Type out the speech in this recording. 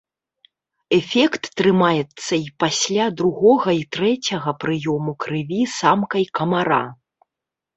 Эфект трымаецца і пасля другога і трэцяга прыёму крыві самкай камара.